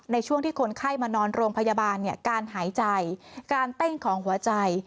ในช่วงที่คนไข้มานอนโรงพยาบาลเนี่ยการหายใจการเต้นของหัวใจ